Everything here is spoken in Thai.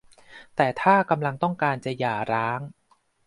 แต่ถ้ากำลังต้องการจะหย่าร้าง